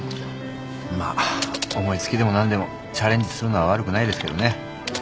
まあ思い付きでも何でもチャレンジするのは悪くないですけどね。